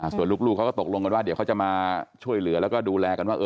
ส่วนลูกเขาก็ตกลงกันว่าเดี๋ยวเขาจะมาช่วยเหลือแล้วก็ดูแลกันว่า